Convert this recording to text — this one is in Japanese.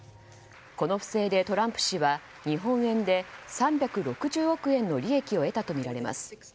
この不正でトランプ氏は日本円で３６０億円の利益を得たとみられます。